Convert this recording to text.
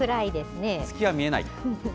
月は見えない。